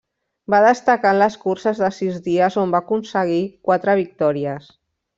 Va destacar en les curses de sis dies on va aconseguir quatre victòries.